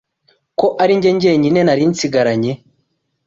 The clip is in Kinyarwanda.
Ko ari njye jyenyine nari nsigaranye.